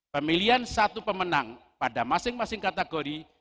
pemilihan satu pemenang pada masing masing kategori